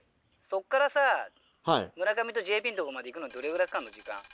そっからさ村上とＪＰのとこまで行くのにどれぐらいかかるの？